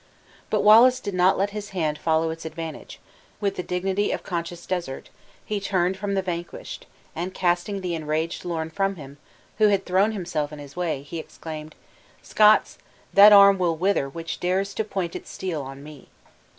But Wallace did not let his hand follow its advantage; with the dignity of conscious desert, he turned from the vanquished, and casting the enraged Lorn from him, who had thrown himself in his way, he exclaimed: "Scots, that arm will wither which dares to point its steel on me."